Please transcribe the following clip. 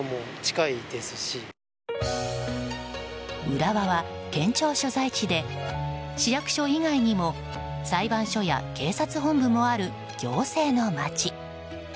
浦和は県庁所在地で市役所以外にも裁判所や警察本部もある行政の街。